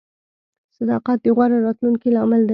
• صداقت د غوره راتلونکي لامل دی.